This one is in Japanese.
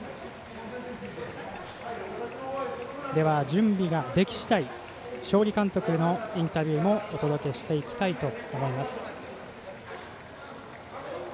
準備が出来次第勝利監督へのインタビューもお届けしていきたいと思います。